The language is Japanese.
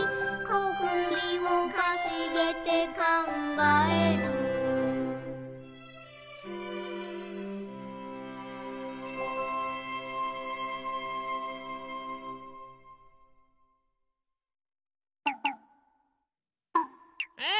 「こくびをかしげてかんがえる」え？